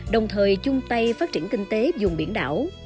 đồng thời chung tay phát triển kinh tế dùng biển đảo